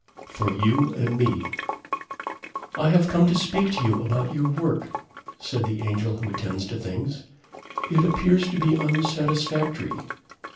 FOR YOU AND ME "I have come to speak to you about your work," said the Angel who attends to things. "It appears to be unsatisfactory."